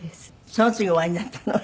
その次お会いになったのは？